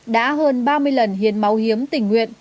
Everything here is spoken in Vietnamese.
đã hơn ba mươi lần hiến máu hiếm tỉnh nguyện